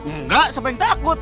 engga sampai yang takut